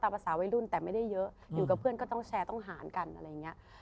ภาษาวัยรุ่นแต่ไม่ได้เยอะอยู่กับเพื่อนก็ต้องแชร์ต้องหารกันอะไรอย่างนี้